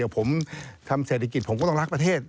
ผมก็มีกฎกประเทศ